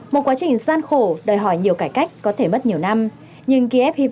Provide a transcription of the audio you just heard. một quá trình gian khổ đòi hỏi nhiều cải cách có thể mất nhiều năm nhưng kiev hy vọng sẽ đẩy nhanh tiến độ